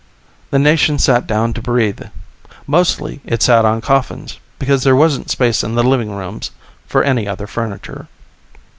The nation sat down to breathe. Mostly it sat on coffins, because there wasn't space in the living rooms for any other furniture.